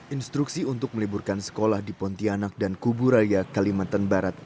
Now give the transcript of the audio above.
instruksi untuk meliburkan sekolah di pontianak dan kuburaya kalimantan barat